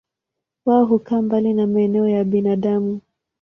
Wao hukaa mbali na maeneo ya binadamu.